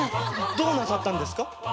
どうなさったんですか？